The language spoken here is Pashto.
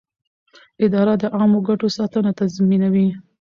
اداره د عامه ګټو ساتنه تضمینوي.